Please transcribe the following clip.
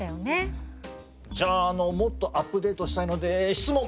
じゃあもっとアップデートしたいので質問！